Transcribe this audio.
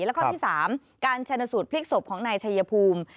และข้อที่๓การชนสูตรพลิกศพของนายชัยภูมิ